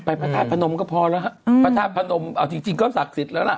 ไปประธาปนมก็พอแล้วฮะประธาปนมเอาจริงก็ศักดิ์สิทธิ์แล้วล่ะ